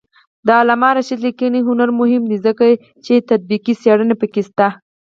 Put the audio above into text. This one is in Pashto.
د علامه رشاد لیکنی هنر مهم دی ځکه چې تطبیقي څېړنه پکې شته.